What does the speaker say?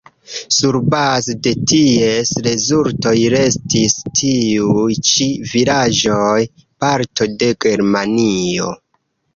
Surbaze de ties rezultoj restis tiuj ĉi vilaĝoj parto de Germanio.